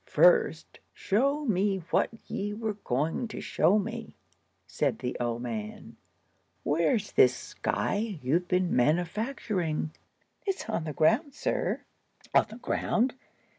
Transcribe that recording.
"First, show me what ye were going to show me," said the old man. "Where's this sky you've been manufacturing?" "It's on the ground, sir." "On the ground!